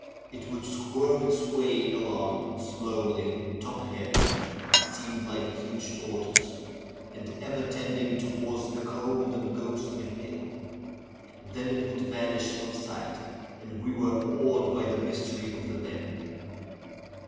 It would squirm its way along slowly, top heavy (it appeared like a huge tortoise), and ever tending towards the cold and ghostly hill. Then it would vanish from sight, and we were awed by the mystery of the bend.